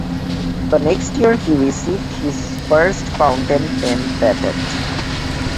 The next year he received his first fountain pen patent.